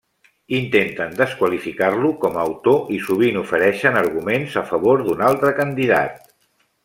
Intenten desqualificar-lo com a autor i sovint ofereixen arguments a favor d'un altre candidat.